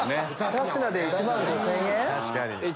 ２品で１万５０００円？